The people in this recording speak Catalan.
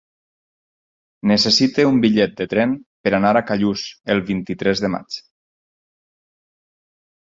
Necessito un bitllet de tren per anar a Callús el vint-i-tres de maig.